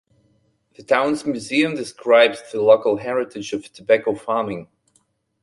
The town's museum describes the local heritage of tobacco farming.